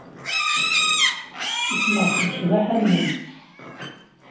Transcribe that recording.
Usmeɣ seg ccbaḥa-nnem.